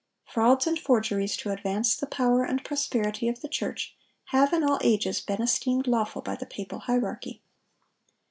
Frauds and forgeries to advance the power and prosperity of the church have in all ages been esteemed lawful by the papal hierarchy.